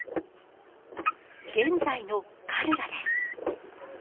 現在のカルラです。